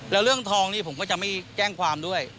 แล้วเรื่องทองนี่ผมก็จะไม่แจ้งความด้วย